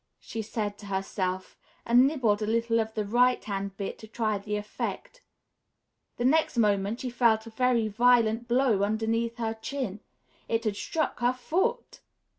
she said to herself, and nibbled a little of the right hand bit to try the effect. The next moment she felt a violent blow underneath her chin it had struck her foot!